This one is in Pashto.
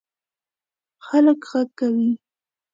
هلک غږ کوی